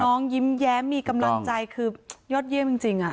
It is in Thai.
ยิ้มแย้มมีกำลังใจคือยอดเยี่ยมจริง